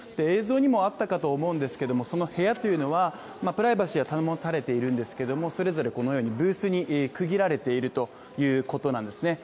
映像にもあったかと思うんですけどもその部屋というのはプライバシーは保たれているんですけどもそれぞれこのようにブースに区切られているということなんです。